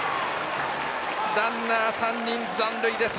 ランナー、３人残塁です。